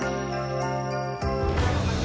ส่วนอาจจะเพลินหรือเท่ากลายเป็นสุด